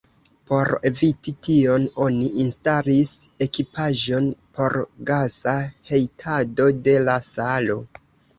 Por eviti tion, oni instalis ekipaĵon por gasa hejtado de la salo.